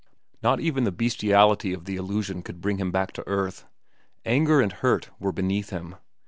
Not even the bestiality of the allusion could bring him back to earth. Anger and hurt were beneath him.